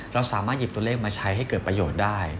เราสามารถหยิบตัวเลขมาใช้ให้เกิดประโยชน์ได้